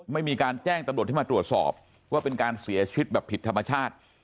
ไม่มีการแจ้งตำรวจให้มาตรวจสอบว่าเป็นการเสียชีวิตแบบผิดธรรมชาติ